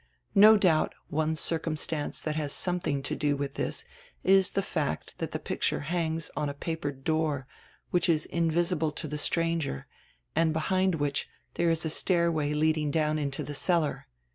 No douht, one circumstance diat has somediing to do with this is die fact diat die picture hangs on a papered door, which is invisihle to die stranger and behind which diere is a stairway lead ing down into die cellar.